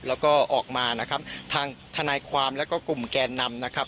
แล้วก็ออกมาทางธนาความแล้วก็กลุ่มแกนนำ